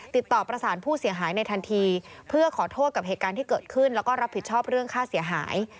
ติดต่อประสานผู้เสียหายในทันทีเพื่อขอโทษกับเหตุการณ์ที่เกิดขึ้นแล้วก็รับผิดชอบเรื่องค่าเสียหาย